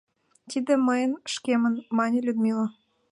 — Тиде мыйын, шкемын!.. — мане Людмила.